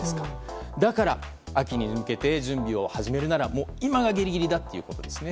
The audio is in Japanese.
だから、秋に向けて準備を始めるなら今がギリギリだということです。